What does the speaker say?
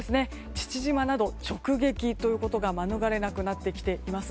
父島など直撃ということが免れなくなってきています。